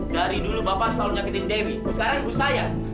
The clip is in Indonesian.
dari dulu bapak selalu nyakitin dewi sekarang ibu saya